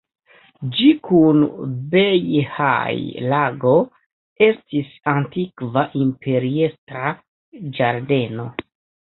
Ĝi kun Bejhaj-lago estis antikva imperiestra ĝardeno.